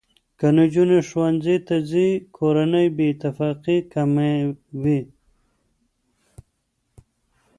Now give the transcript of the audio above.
که نجونې ښوونځي ته ځي، کورنۍ بې اتفاقي کمه وي.